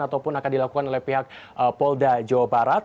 ataupun akan dilakukan oleh pihak polda jawa barat